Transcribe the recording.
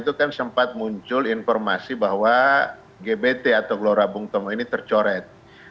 itu kan sempat muncul informasi bahwa gbt atau gelora bung tomo ini tercoret